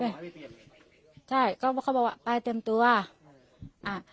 เขามาให้ไปเปรียบใช่ก็เขาบอกว่าไปเตรียมตัวอ่ะ